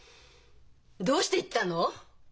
どうして言ったの！？